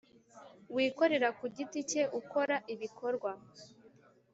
wikorera ku giti cye ukora ibikorwa